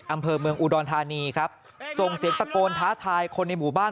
อำเภอเมืองอุดรธานีครับส่งเสียงตะโกนท้าทายคนในหมู่บ้าน